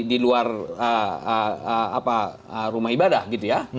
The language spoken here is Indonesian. di luar rumah ibadah gitu ya